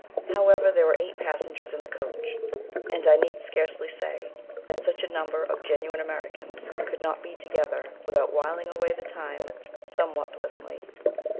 However, there were eight passengers in the coach, and I need scarcely say that such a number of genuine Americans could not be together without whiling away the time somewhat pleasantly.